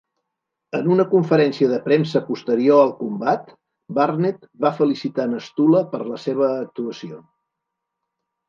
En una conferència de premsa posterior al combat, Barnett va felicitar Nastula per la seva actuació.